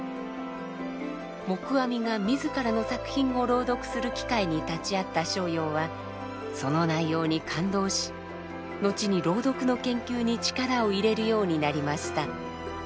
黙阿弥が自らの作品を朗読する機会に立ち会った逍遙はその内容に感動し後に朗読の研究に力を入れるようになりました。